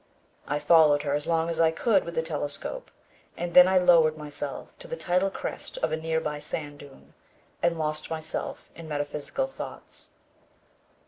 I followed her as long as I could with the telescope and then I lowered myself to the tidal crest of a nearby sand dune and lost myself in metaphysical thoughts.